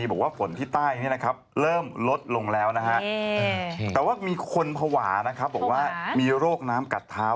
บอกว่าฝนที่ใต้เริ่มลดลงแล้วแต่ว่ามีคนผวาบอกว่ามีโรคน้ำกัดเท้า